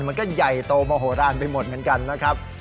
มันก็ใหญ่โตมโหลานไปหมดเหมือนกันนะครับ